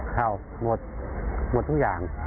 เข้าหมดทุกอย่าง